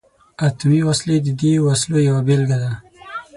اتمي وسلې د دې وسلو یوه بیلګه ده.